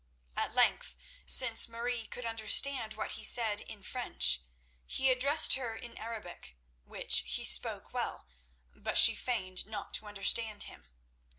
At length, since Marie could understand what he said in French, he addressed her in Arabic, which he spoke well, but she feigned not to understand him.